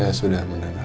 ya saya sudah mendengar